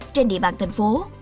trên địa bàn thành phố